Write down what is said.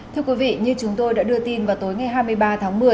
thưa quý vị như chúng tôi đã đưa tin vào tối ngày hai mươi ba tháng một mươi